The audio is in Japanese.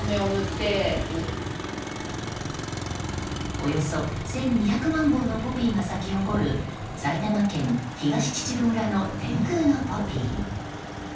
およそ１２００万本のポピーが咲き誇る埼玉県東秩父村の天空のポピー。